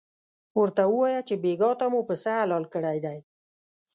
ورته ووایه چې بېګاه ته مو پسه حلال کړی دی.